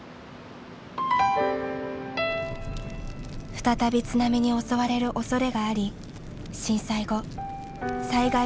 再び津波に襲われるおそれがあり震災後災害危険区域に指定。